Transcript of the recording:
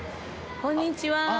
こんにちは。